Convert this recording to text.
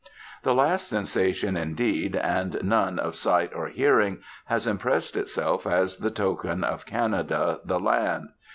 That last sensation, indeed, and none of sight or hearing, has impressed itself as the token of Canada, the land.